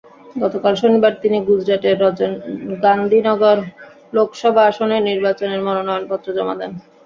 গতকাল শনিবার তিনি গুজরাটের গান্ধীনগর লোকসভা আসনে নির্বাচনের মনোনয়নপত্র জমা দেন।